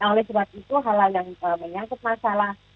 oleh sebab itu hal hal yang menyangkut masalah